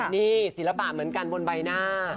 นี่ศิลปะเหมือนกันบนใบหน้า